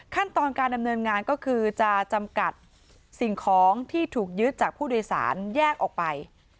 ขั้นตอนการดำเนินงานก็คือจะจำกัดสิ่งของที่ถูกยึดจากผู้โดยสารแยกออกไป